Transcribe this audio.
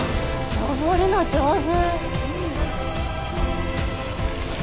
登るの上手！